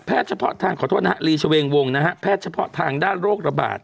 เฉพาะทางขอโทษนะฮะลีเฉวงวงนะฮะแพทย์เฉพาะทางด้านโรคระบาด